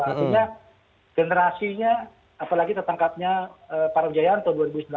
artinya generasinya apalagi tetangkapnya pak ramjayanto dua ribu sembilan belas